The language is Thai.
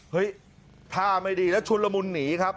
เฮ้ยผ้าไม่ดีแล้วชุดละมุนหนีครับ